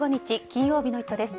金曜日の「イット！」です。